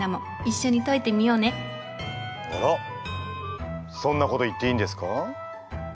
あらそんなこと言っていいんですか？